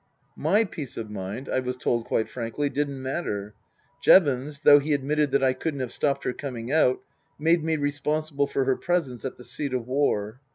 My peace of mind, I was told quite frankly, didn't matter. Jevons, though he admitted that I couldn't have stopped her coming out, made me responsible for her presence at the seat of war.